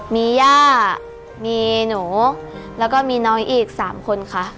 มีย่ามีหนูแล้วก็มีน้องอีก๓คนค่ะ